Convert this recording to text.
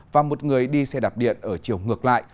và một người đi xe đạp điện ở chiều ngược lại